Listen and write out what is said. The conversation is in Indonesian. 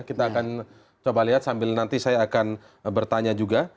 kita akan coba lihat sambil nanti saya akan bertanya juga